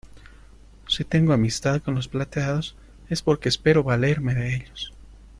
si tengo amistad con los plateados, es porque espero valerme de ellos...